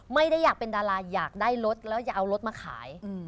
ไม่ได้อยากเป็นดาราอยากได้รถแล้วอย่าเอารถมาขาย